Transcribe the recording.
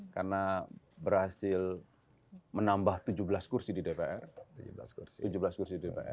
karena berhasil menambah tujuh belas kursi di dpr